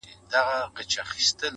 د مسافر جانان کاغذه.!